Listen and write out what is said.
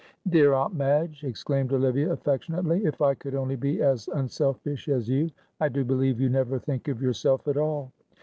"Dear Aunt Madge!" exclaimed Olivia, affectionately. "If I could only be as unselfish as you. I do believe you never think of yourself at all."